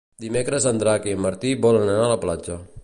Dimecres en Drac i en Martí volen anar a la platja.